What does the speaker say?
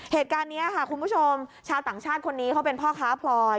เหตุการณ์นี้ค่ะคุณผู้ชมชาวต่างชาติคนนี้เขาเป็นพ่อค้าพลอย